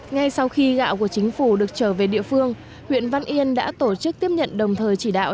ngay sau khi gạo của chính phủ được trở về địa phương huyện văn yên đã tổ chức tiếp nhận đồng thời chỉ đạo